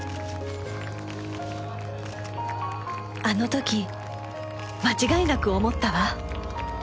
あの時間違いなく思ったわ